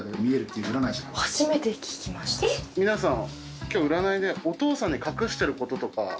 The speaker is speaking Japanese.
皆さん。